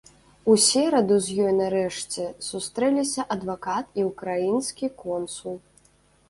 У сераду з ёй нарэшце сустрэліся адвакат і ўкраінскі консул.